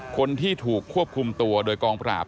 คนที่ถูกควบคุมตัวโดยกองปราบ